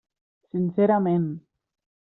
Sincerament.